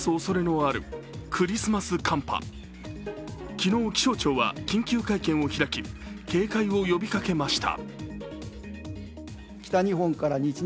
昨日、気象庁は緊急会見を開き警戒を呼びかけました。